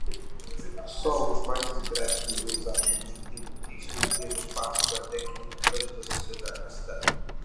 Só os mais intrépidos ousavam estender os passos até aquele recanto da cidade.